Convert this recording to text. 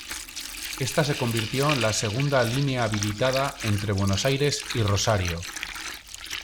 Esta se convirtió en la segunda línea habilitada entre Buenos Aires y Rosario.